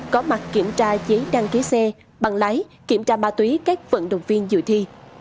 có mặt kiểm tra giấy đăng ký xe bằng lái kiểm tra ma túy các vận động viên dự thi